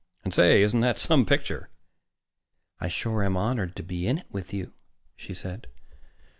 "And, say, isn't that some picture?" "I sure am honored to be in it with you," she said.